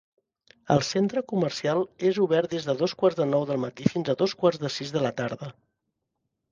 El centre comercial és obert des de dos quarts de nou del matí fins a dos quarts de sis de la tarda.